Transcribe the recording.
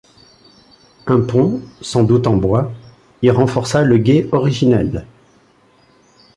Un pont, sans doute en bois, y renforça le gué originel.